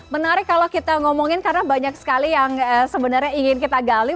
menarik kalau kita ngomongin karena banyak sekali yang sebenarnya ingin kita gali